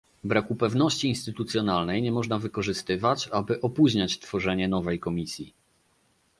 Braku pewności instytucjonalnej nie można wykorzystywać, aby opóźniać tworzenie nowej Komisji